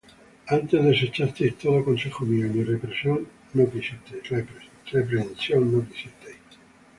Antes desechasteis todo consejo mío, Y mi reprensión no quisisteis: